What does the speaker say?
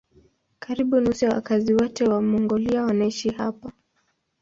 Karibu nusu ya wakazi wote wa Mongolia wanaishi hapa.